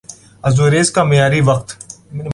Azores کا معیاری وقت